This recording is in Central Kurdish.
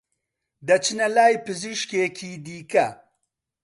دەچنە لای پزیشکێکی دیکە